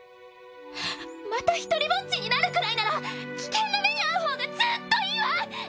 また独りぼっちになるくらいなら危険な目に遭う方がずっといいわ！